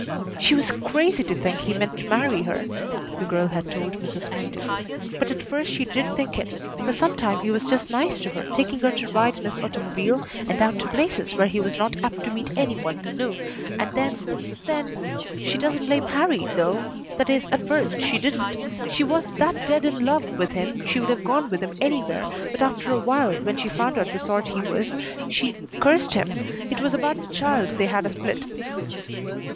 "She was crazy to think he meant to marry her," the girl had told Mrs. Mundy, "but at first she did think it. For some time he was just nice to her, taking her to ride in his automobile, and out to places where he was not apt to meet any one he knew, and then then " "She doesn't blame Harrie, though. That is, at first she didn't. She was that dead in love with him she would have gone with him anywhere, but after a while, when she found out the sort he was, she cursed him. It was about the child they had a split."